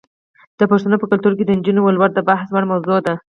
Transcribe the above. د پښتنو په کلتور کې د نجونو ولور د بحث وړ موضوع ده.